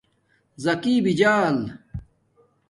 زَکی بِجال